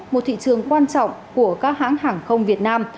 một thị trường quan trọng của các hãng hàng không việt nam